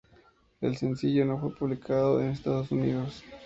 El sencillo no fue publicado en Estados Unidos.